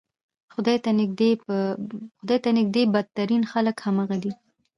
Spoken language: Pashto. خدای ته نږدې بدترین خلک همغه دي.